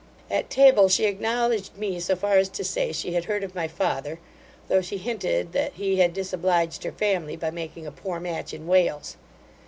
At table, she acknowledged me so far as to say she had heard of my father; though she hinted, that he had disobliged her family by making a poor match in Wales.